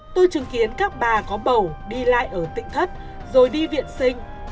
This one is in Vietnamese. tôi chứng kiến các bà có bầu đi lại ở tỉnh thất rồi đi viện sinh